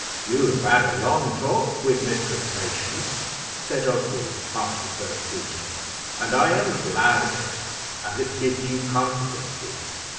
"You have had a long talk with Mistress Patience," said Oswald, after the first greeting, "and I am glad of it, as it gives you consequence here.